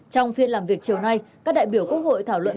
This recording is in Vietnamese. trong phiên làm việc chiều nay các đại biểu quốc hội thảo luận